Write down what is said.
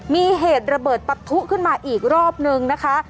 มีเหตุระเบิดปะทุขึ้นมาอีกรอบนึงนะคะ